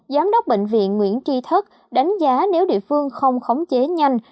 giám đốc bệnh viện nguyễn tri thức đánh giá nếu địa phương không khống chế nhanh